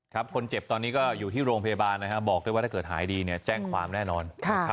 คนเจ็บตอนนี้ก็อยู่ที่โรงพยาบาลนะครับบอกด้วยว่าถ้าเกิดหายดีเนี่ยแจ้งความแน่นอน